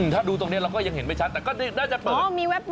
ถ้าดูตรงนี้เราก็ยังเห็นไม่ชัดแต่ก็น่าจะเปิด